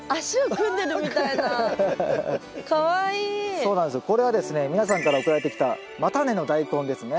そうなんですよこれはですね皆さんから送られてきた叉根のダイコンですね。